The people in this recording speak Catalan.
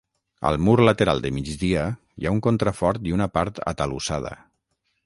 Al mur lateral de migdia hi ha un contrafort i una part atalussada.